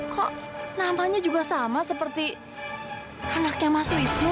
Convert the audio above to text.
kok nampaknya juga sama seperti anaknya mas wisnu